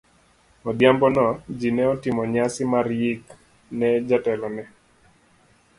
Odhiambono, ji ne otimo nyasi mar yik ne jatelono.